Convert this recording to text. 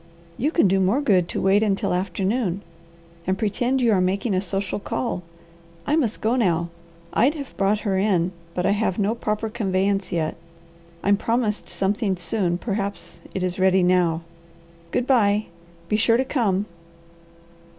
You can do more good to wait until afternoon, and pretend you are making a social call. I must go now. I'd have brought her in, but I have no proper conveyance yet. I'm promised something soon, perhaps it is ready now. Good bye! Be sure to come!"